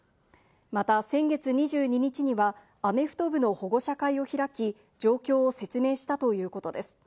また先月２２日にはアメフト部の保護者会を開き、状況を説明したということです。